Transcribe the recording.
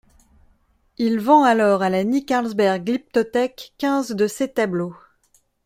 Il vend alors à la Ny Carlsberg Glyptotek quinze de ses tableaux.